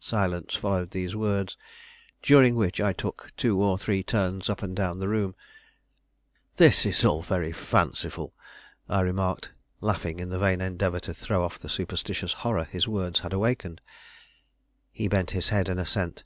Silence followed these words, during which I took two or three turns up and down the room. "This is all very fanciful," I remarked, laughing in the vain endeavor to throw off the superstitious horror his words had awakened. He bent his head in assent.